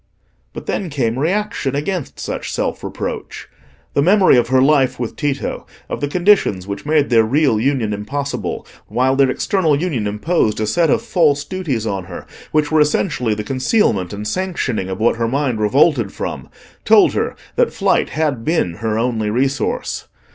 But then came reaction against such self reproach. The memory of her life with Tito, of the conditions which made their real union impossible, while their external union imposed a set of false duties on her which were essentially the concealment and sanctioning of what her mind revolted from, told her that flight had been her only resource.